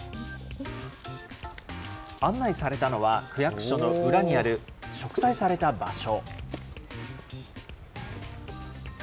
案内されたのは、区役所の裏にある植栽された場所。